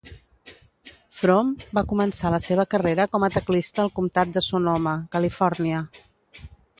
Froom va començar la seva carrera com a teclista al Comtat de Sonoma, Califòrnia.